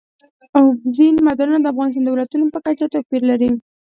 اوبزین معدنونه د افغانستان د ولایاتو په کچه توپیر لري.